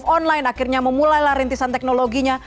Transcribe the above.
semua move online akhirnya memulailah rintisan teknologinya